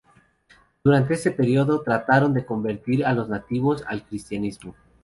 Durante ese periodo, trataron de convertir a los nativos al Cristianismo.